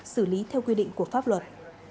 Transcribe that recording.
xử lý theo quy định của pháp luật